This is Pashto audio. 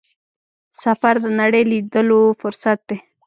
سفر د نړۍ لیدلو فرصت دی.